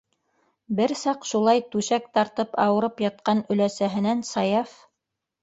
Бер саҡ шулай түшәк тартып ауырып ятҡан өләсәһенән Саяф: